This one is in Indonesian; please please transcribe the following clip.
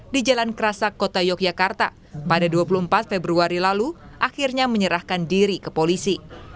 di jalan kerasak kota yogyakarta pada dua puluh empat februari lalu akhirnya menyerahkan diri ke polisi